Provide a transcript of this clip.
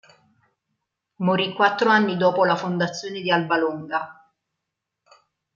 Morì quattro anni dopo la fondazione di Alba Longa.